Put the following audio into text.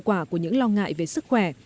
quả của những lo ngại về sức khỏe